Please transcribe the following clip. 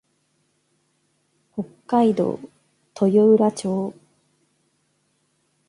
北海道豊浦町